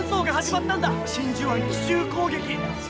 「真珠湾奇襲攻撃」。